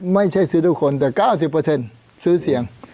ไม่ใช่ซื้อทุกคนแต่๙๐ซื้อเสียง